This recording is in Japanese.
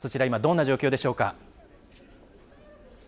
今どんな状況でしょうか？